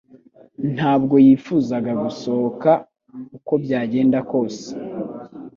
Ntabwo yifuzaga gusohoka uko byagenda kose